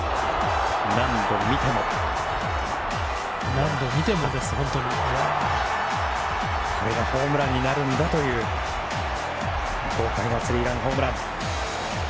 何度見ても、これがホームランになるんだという豪快なスリーランホームラン。